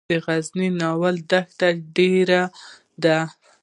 د غزني د ناور دښتې ډیرې دي